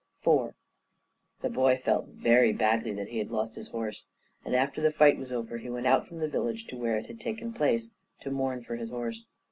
IV The boy felt very badly that he had lost his horse; and, after the fight was over, he went out from the village to where it had taken place, to mourn for his horse.